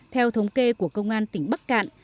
theo thống kê của công an tỉnh bắc cạn